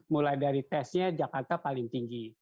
mulai dari tesnya jakarta paling tinggi